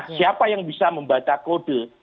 siapa yang bisa membaca kode